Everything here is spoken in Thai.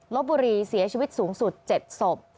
ลบบุรีเสียชีวิตสูงสุด๗ศพ